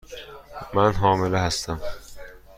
من حامله هستم.